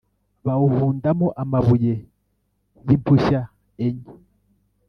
Bawuhundamo amabuye y impushya enye